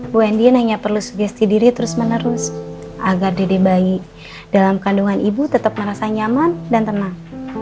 bu ending hanya perlu sugesti diri terus menerus agar dede bayi dalam kandungan ibu tetap merasa nyaman dan tenang